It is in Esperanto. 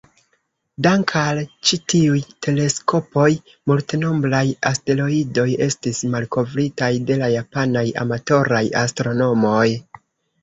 Dank'al ĉi-tiuj teleskopoj, multenombraj asteroidoj estis malkovritaj de la japanaj amatoraj astronomoj.